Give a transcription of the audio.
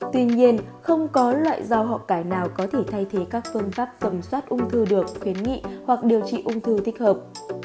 tuy nhiên không có loại rau họ cải nào có thể thay thế các phương pháp tầm soát ung thư được khuyến nghị hoặc điều trị ung thư thích hợp